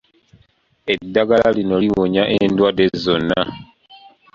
Eddagala lino liwonya endwadde zonna.